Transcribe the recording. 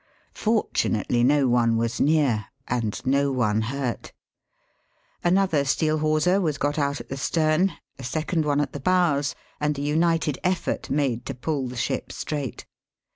Fortunately no one was near, and no one hurt. Another steel hawser Digitized by VjOOQIC 350 EAST BY WEST. was got oat at the stern, a second one at the bows, and a united effort made to pull the ship straight.